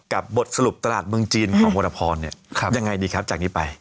กับบทสรุปตลาดเมืองจีนของโมรพรเนี้ยครับยังไงดีครับจากนี้ไป